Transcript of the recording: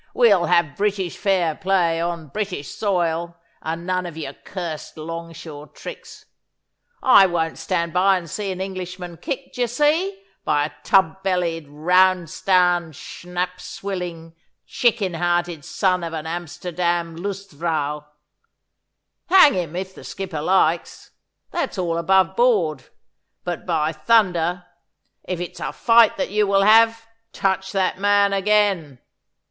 'We'll have British fair play on British soil, and none of your cursed longshore tricks. I won't stand by and see an Englishman kicked, d'ye see, by a tub bellied, round starned, schnapps swilling, chicken hearted son of an Amsterdam lust vrouw. Hang him, if the skipper likes. That's all above board, but by thunder, if it's a fight that you will have, touch that man again.